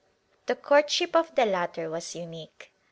The courtship of the latter was unique.